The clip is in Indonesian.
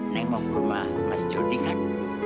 neng mau ke rumah mas jodi kan